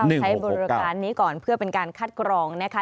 ใช้บริการนี้ก่อนเพื่อเป็นการคัดกรองนะคะ